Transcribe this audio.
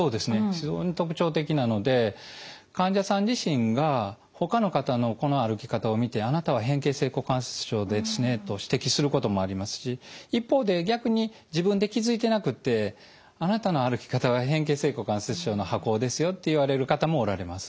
非常に特徴的なので患者さん自身がほかの方のこの歩き方を見てあなたは変形性股関節症ですねと指摘することもありますし一方で逆に自分で気付いてなくってあなたの歩き方は変形性股関節症の跛行ですよって言われる方もおられます。